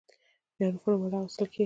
یونفورم ولې اغوستل کیږي؟